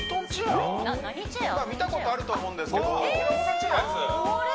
見たことあると思うんですけどあっこれ！